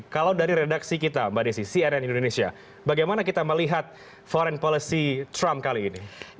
kalau dari redaksi kita mbak desi cnn indonesia bagaimana kita melihat foreign policy trump kali ini